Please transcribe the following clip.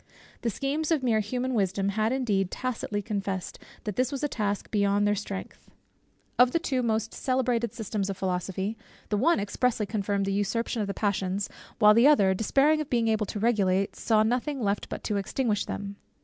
The schemes of mere human wisdom had indeed tacitly confessed, that this was a task beyond their strength. Of the two most celebrated systems of philosophy, the one expressly confirmed the usurpation of the passions, while the other, despairing of being able to regulate, saw nothing left but to extinguish them.